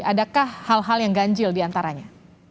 adakah hal hal yang ganjil diantaranya